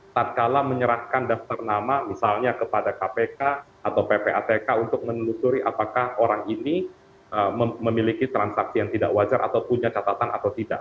tak kalah menyerahkan daftar nama misalnya kepada kpk atau ppatk untuk menelusuri apakah orang ini memiliki transaksi yang tidak wajar atau punya catatan atau tidak